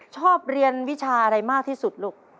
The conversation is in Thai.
ชอบเรียนวิชาอะไรมากที่สุดลูก